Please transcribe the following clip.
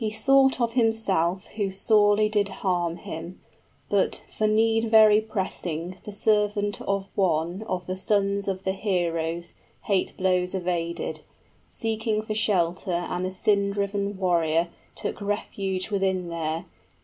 He sought of himself who sorely did harm him, But, for need very pressing, the servant of one of The sons of the heroes hate blows evaded, 5 Seeking for shelter and the sin driven warrior Took refuge within there.